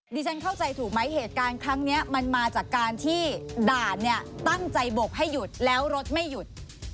ฉันเข้าใจถูกไหมเหตุการณ์ครั้งนี้มันมาจากการที่ด่านเนี่ยตั้งใจบกให้หยุดแล้วรถไม่หยุด